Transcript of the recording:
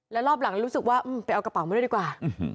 แล้วรอบหลังรู้สึกว่าไปเอากระเป๋ามาด้วยดีกว่า